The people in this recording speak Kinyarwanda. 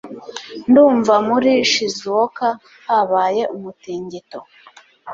Ndumva muri Shizuoka habaye umutingito